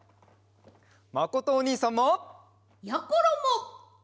まことおにいさんも！やころも！